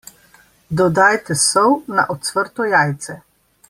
Dodajte sol na ocvrto jajce.